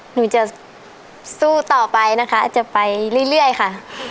หนูจะสู้ต่อไปนะคะจะไปเรื่อยค่ะ